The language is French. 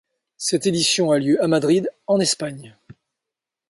Cette édition a lieu à Madrid, en Espagne.